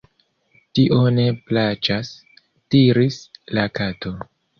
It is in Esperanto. "Tio ne plaĉas," diris la Kato.